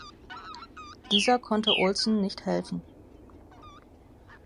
Dieser konnte Olson nicht helfen.